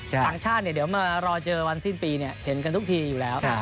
ต่างชาติเดี๋ยวมารอเจอวันสิ้นปีเห็นกันทุกทีอยู่แล้ว